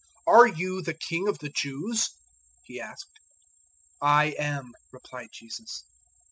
"Are *you* the King of the Jews?" he asked. "I am," replied Jesus.